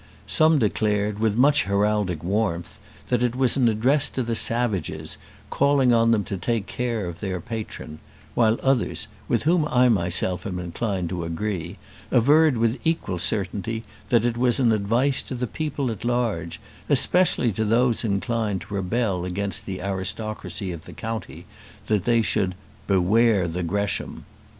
Some declared, with much heraldic warmth, that it was an address to the savages, calling on them to take care of their patron; while others, with whom I myself am inclined to agree, averred with equal certainty that it was an advice to the people at large, especially to those inclined to rebel against the aristocracy of the county, that they should "beware the Gresham."